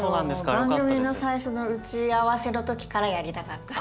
番組の最初の打ち合わせの時からやりたかった。